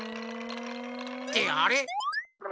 ってあれ？